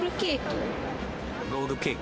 ロールケーキ。